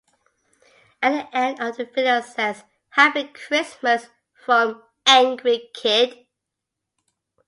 At the end of the video says: "Happy Christmas from Angry Kid".